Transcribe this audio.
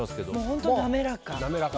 本当、滑らか。